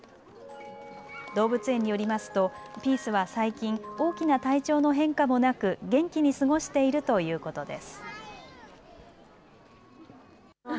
動物園によりますとピースは最近大きな体調の変化もなく元気に過ごしているということです。